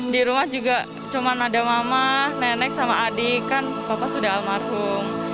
di rumah juga cuma ada mama nenek sama adik kan papa sudah almarhum